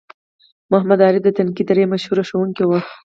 محمد عارف د تنگي درې مشهور ښوونکی وو